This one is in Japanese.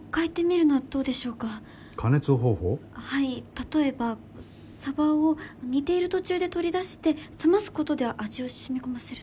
例えばサバを煮ている途中で取り出して冷ますことで味を染み込ませるとか。